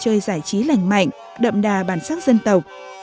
chơi giải trí lành mạnh đậm đà bản sắc dân tộc